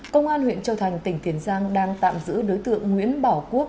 công an huyện châu thành tỉnh tiền giang đang tạm giữ đối tượng nguyễn bảo quốc